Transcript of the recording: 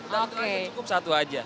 dan turunnya cukup satu aja